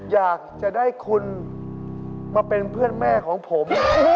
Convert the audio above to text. อยากจะได้คุณมาเป็นเพื่อนแม่ของผม